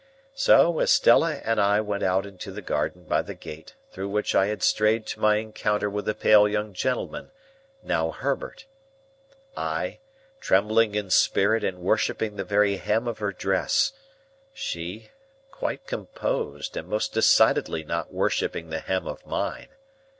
So, Estella and I went out into the garden by the gate through which I had strayed to my encounter with the pale young gentleman, now Herbert; I, trembling in spirit and worshipping the very hem of her dress; she, quite composed and most decidedly not worshipping the hem of mine.